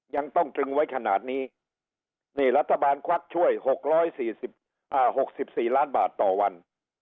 ยังต้องตรึงไว้ขนาดนี้นี่รัฐบาลควักช่วย๖๔๖๔ล้านบาทต่อวัน